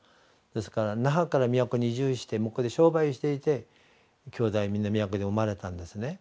ですから那覇から宮古に移住して向こうで商売していてきょうだいみんな宮古で生まれたんですね。